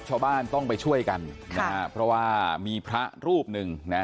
ชาวบ้านต้องไปช่วยกันนะฮะเพราะว่ามีพระรูปหนึ่งนะฮะ